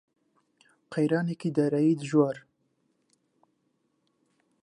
قەیرانێکی دارایی دژوار